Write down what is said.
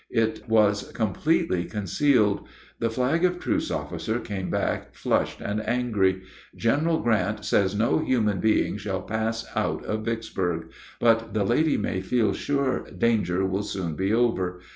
It was completely concealed. The flag of truce officer came back flushed and angry. "General Grant says no human being shall pass out of Vicksburg; but the lady may feel sure danger will soon be over.